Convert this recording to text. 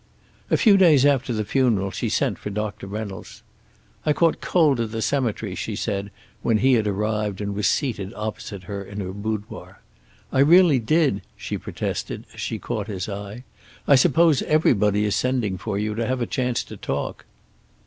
A few days after the funeral she sent for Doctor Reynolds. "I caught cold at the cemetery," she said, when he had arrived and was seated opposite her in her boudoir. "I really did," she protested, as she caught his eye. "I suppose everybody is sending for you, to have a chance to talk."